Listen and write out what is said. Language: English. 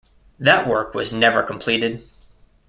That work was never completed.